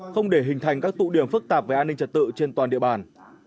không để hình thành các tụ điểm phức tạp về an ninh trật tự trên toàn địa bàn